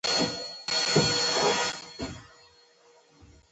چیانکایچک له خپلو ځواکونو سره ټایوان ته وتښتېد.